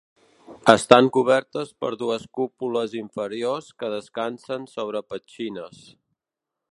Estan cobertes per dues cúpules inferiors que descansen sobre petxines.